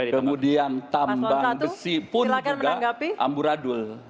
kemudian tambang besi pun juga amburadul